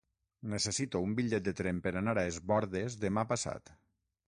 Necessito un bitllet de tren per anar a Es Bòrdes demà passat.